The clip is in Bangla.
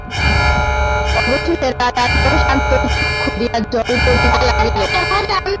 অবশেষে রাজার প্রশান্ত চক্ষু দিয়া জল পড়িতে লাগিল।